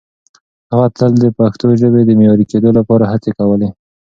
هغه تل د پښتو ژبې د معیاري کېدو لپاره هڅې کولې.